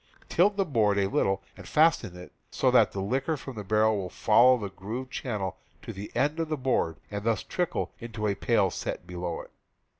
Tilt the board a little and fasten it so that the liquor from the barrel will follow the grooved channel to the end of the board and thus trickle into a pail set below it.